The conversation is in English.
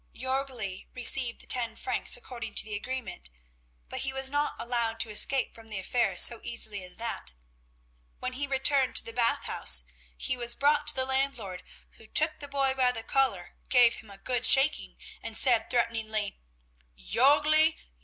Jörgli received the ten francs according to the agreement, but he was not allowed to escape from the affair so easily as that. When he returned to the Bath House, he was brought to the landlord who took the boy by the collar, gave him a good shaking, and said threateningly: "Jörgli!